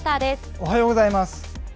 おはようございます。